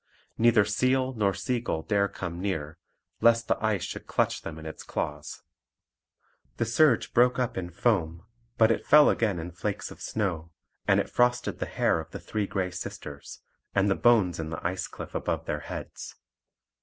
Neither seal nor sea gull dare come near, lest the ice should clutch them in its claws. The surge broke up in foam, but it fell again in flakes of snow; and it frosted the hair of the three Grey Sisters, and the bones in the ice cliff above their heads.